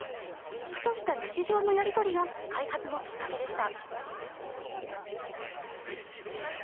ふとした日常のやり取りが開発のきっかけでした。